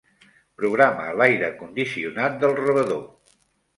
Programa l'aire condicionat del rebedor.